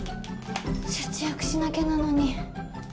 節約しなきゃなのに。